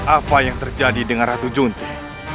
apa yang terjadi dengan ratu junti